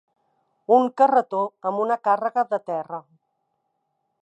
Un carretó amb una càrrega de terra.